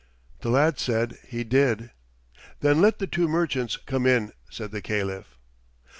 The lad said he did. "Then let the two merchants come in," said the Caliph.